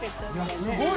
すごい。